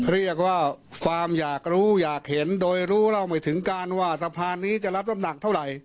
เรียกว่าความอยากรู้อยากเห็นโดยรู้เล่าไม่ถึงการว่าสะพานนี้จะรับน้ำหนักเท่าไหร่